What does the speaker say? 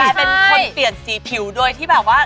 เป็นคนเปลี่ยนสีผิวโดยที่แบบว่า